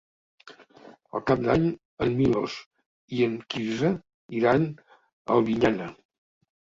Per Cap d'Any en Milos i en Quirze iran a Albinyana.